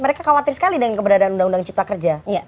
mereka khawatir sekali dengan keberadaan undang undang cipta kerja